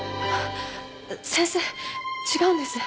先生違うんです。